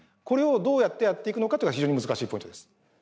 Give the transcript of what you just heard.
これをどうやってやっていくのか非常に難しいポイントです。